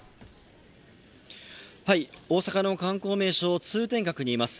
大阪の観光名所、通天閣にいます。